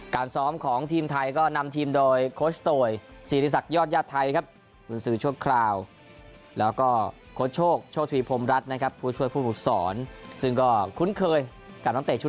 การซ้อมของทีมไทยก็นำทีมโดยโคชโตยศรีศักดิ์ยอดยาวไทยครับ